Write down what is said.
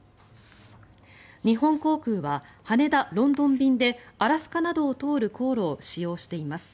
日本航空は羽田ロンドン便でアラスカなどを通る航路を使用しています。